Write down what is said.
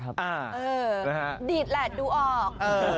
ครับอะนะครับดิดเเหละดูออก